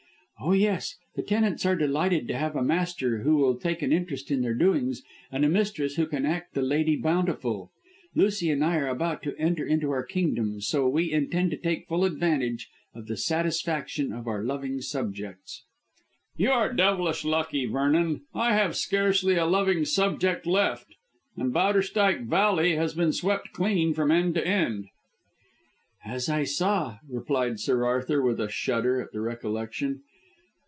"Oh, yes. The tenants are delighted to have a master who will take an interest in their doings and a mistress who can act the Lady Bountiful. Lucy and I are about to enter into our kingdom, so we intend to take full advantage of the satisfaction of our loving subjects." "You are devilish lucky, Vernon. I have scarcely a loving subject left, and Bowderstyke Valley has been swept clean from end to end." "As I saw," replied Sir Arthur with a shudder at the recollection.